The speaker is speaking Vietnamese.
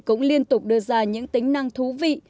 cũng liên tục đưa ra những tính năng thú vị